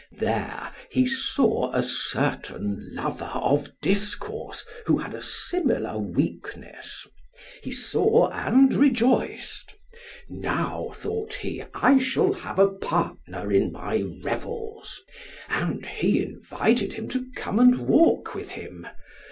There he saw a certain lover of discourse who had a similar weakness; he saw and rejoiced; now thought he, 'I shall have a partner in my revels.' And he invited him to come and walk with him.